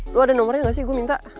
lo ada nomornya gak sih gue minta